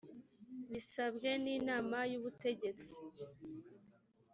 bisabwe n’inama y’ubutegetsi